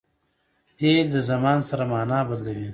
فعل د زمان سره مانا بدلوي.